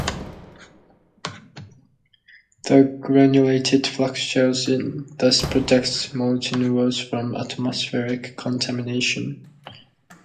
The granulated flux shields and thus protects molten weld from atmospheric contamination.